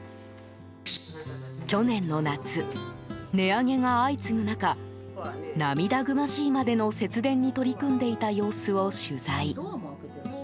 去年の夏、値上げが相次ぐ中涙ぐましいまでの節電に取り組んでいた様子を取材。